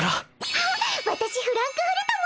あっ私フランクフルトも。